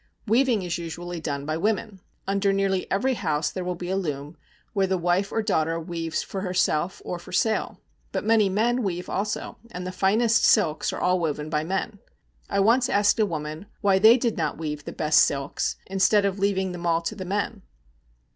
Weaving is usually done by women. Under nearly every house there will be a loom, where the wife or daughter weaves for herself or for sale. But many men weave also, and the finest silks are all woven by men. I once asked a woman why they did not weave the best silks, instead of leaving them all to the men.